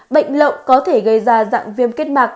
bệnh lậu có thể gây ra dạng viêm kết mạc